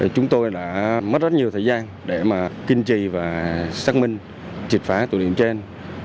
chúng tôi đã mất rất nhiều thời gian để mà kinh trì và xác minh trịt phá tội điểm trên